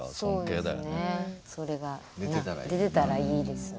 それが。出てたらいいね。